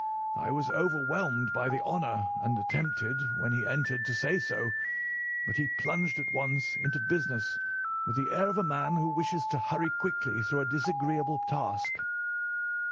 I was overwhelmed by the honour and attempted, when he entered, to say so, but he plunged at once into business with the air of a man who wishes to hurry quickly through a disagreeable task.